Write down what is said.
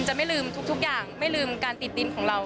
จะไม่ลืมทุกอย่างไม่ลืมการติดดินของเรา